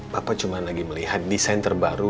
bapak cuma lagi melihat desain terbaru